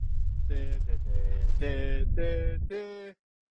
The work has had a checkered career since.